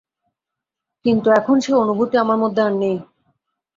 কিন্তু এখন সে অনুভূতি আমার মধ্যে আর নেই।